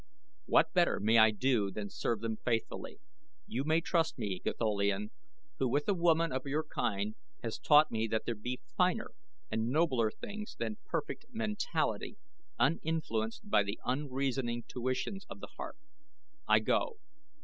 What better may I do than serve them faithfully? You may trust me, Gatholian, who with a woman of your kind has taught me that there be finer and nobler things than perfect mentality uninfluenced by the unreasoning tuitions of the heart. I go."